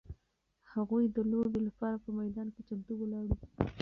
هغوی د لوبې لپاره په میدان کې چمتو ولاړ وو.